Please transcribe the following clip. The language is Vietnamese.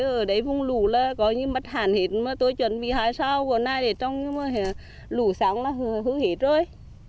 ở đấy vùng lũ là có như mất hàn hết mà tôi chuẩn bị hai sao của này để trồng nhưng mà lũ sáng là hư hết rồi